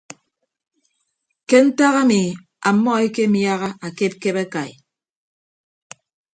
Ke ntak ami ammọ ekemiaha akepkep akai.